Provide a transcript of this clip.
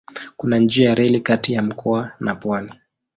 Kuna njia ya reli kati ya mkoa na pwani.